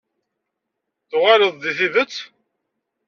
Tuɣaleḍ-d deg Tibet?